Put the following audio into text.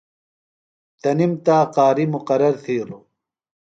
تنِم تا قاری مُقرر تِھیلوۡ۔